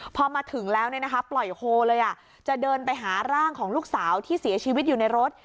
พอมาถึงแล้วปล่อยโฮเลยจะเดินไปหาร่างของลูกสาวที่เสียชีวิตอยู่ในรถ